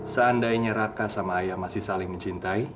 seandainya raka sama ayah masih saling mencintai